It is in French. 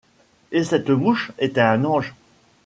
Et cette mouche était un ange.